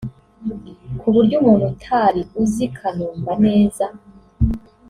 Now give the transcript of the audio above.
ku buryo umuntu utari uzi Kanumba neza